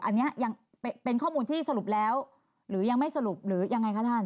อันนี้ยังเป็นข้อมูลที่สรุปแล้วหรือยังไม่สรุปหรือยังไงคะท่าน